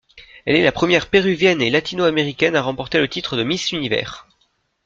Elle est la première péruvienne et latino-américaine à remporter le titre de Miss Univers.